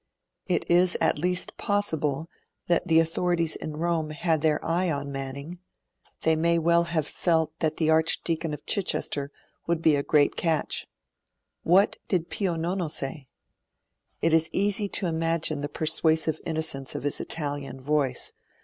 It is at least possible that the authorities in Rome had their eye on Manning; the may well have felt that the Archdeacon of Chichester would be a great catch. What did Pio Nono say? It is easy to imagine the persuasive innocence of his Italian voice.